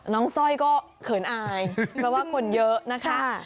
สร้อยก็เขินอายเพราะว่าคนเยอะนะคะ